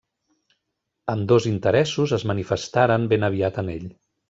Ambdós interessos es manifestaren ben aviat en ell.